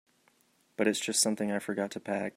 But it's just something I forgot to pack.